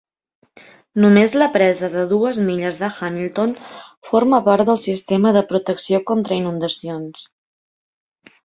Només la presa de dues milles de Hamilton forma part del sistema de protecció contra inundacions.